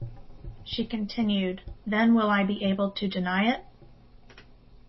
She continued Then will I be able to deny it?